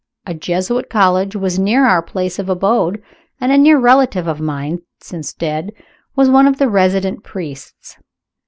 A Jesuit College was near our place of abode, and a near relative of mine since dead was one of the resident priests."